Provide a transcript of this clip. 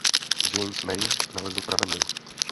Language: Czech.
V James May „nalezl“ pramen Nilu.